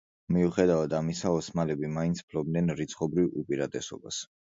მიუხედავად ამისა, ოსმალები მაინც ფლობდნენ რიცხობრივ უპირატესობას.